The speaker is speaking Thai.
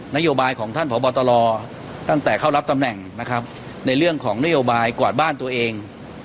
นโยบายของท่านพบตรตั้งแต่เข้ารับตำแหน่งนะครับในเรื่องของนโยบายกวาดบ้านตัวเอง